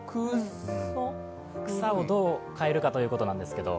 草をどう変えるかということですけど。